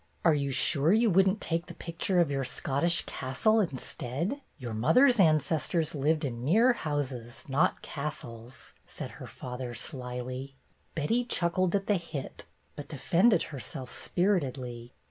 "Are you sure you would n't take the picture of your Scottish castle instead ? Your mother's ancestors lived in mere houses, not castles," said her father, slyly. Betty chuckled at the hit, but defended herself spiritedly.